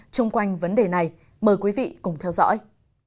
chung quanh vấn đề này mời quý vị cùng theo dõi